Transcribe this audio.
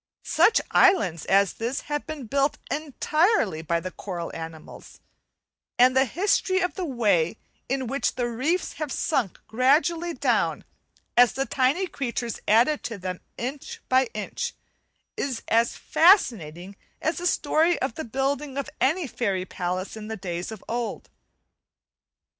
Such islands as this have been build entirely by the coral animals, and the history of the way in which the reefs have sunk gradually down, as the tiny creatures added to them inch by inch, is as fascinating as the story of the building of any fairy palace in the days of old.